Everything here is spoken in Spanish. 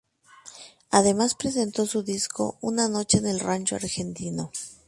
Además presentó su disco "Una noche en el rancho argentino".